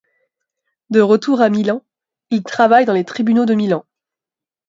De retour à Milan, il travaille dans les tribunaux de Milan.